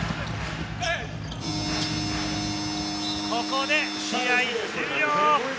ここで試合終了。